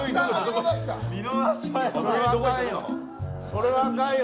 それはあかんよ。